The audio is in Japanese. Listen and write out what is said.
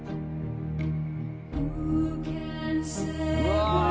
うわ！